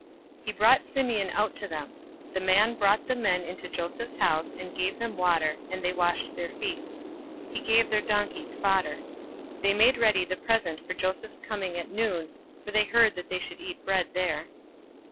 He brought Simeon out to them. 043:024 The man brought the men into Joseph's house, and gave them water, and they washed their feet. He gave their donkeys fodder. 043:025 They made ready the present for Joseph's coming at noon, for they heard that they should eat bread there.